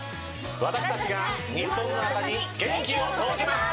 私たちが日本の朝に元気を届けます！